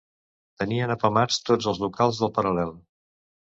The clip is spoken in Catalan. Tenien apamats tots els locals del Paral·lel.